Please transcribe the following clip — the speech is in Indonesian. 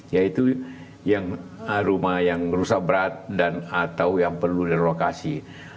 yaitu yang rumah yang rusak berat dan atau yang perlu direlokasi